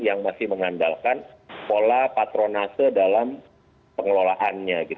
yang masih mengandalkan pola patronase dalam pengelolaannya